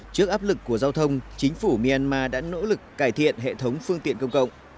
trước áp lực của giao thông chính phủ myanmar đã nỗ lực cải thiện hệ thống phương tiện công cộng